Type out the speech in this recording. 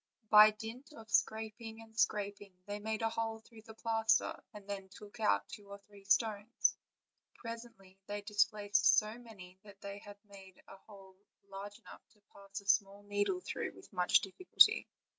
By dint of scraping and scrap ing they made a hole through the plaster, and then took out two or three stones. Presently they had displaced so many that they had made a hole large enough to pass a small needle through with much difficulty.